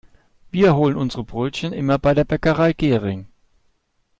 Wir holen unsere Brötchen immer bei der Bäckerei Gehring.